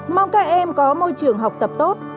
mong các em có môi trường học tập tốt